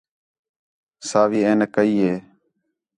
ساوی عینک کَئی ہے